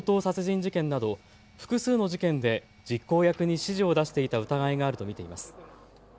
事件など複数の事件で実行役に指示を出していた疑いがあると見ています。